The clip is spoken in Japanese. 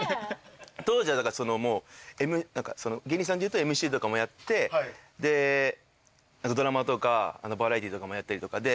当時は芸人さんでいうとＭＣとかもやってでドラマとかバラエティーとかもやったりとか。